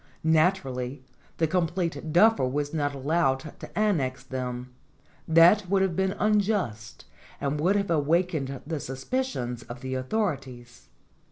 Naturally, the com plete duffer was not allowed to annex them; that would have been unjust and would have awakened the suspicions of the authorities.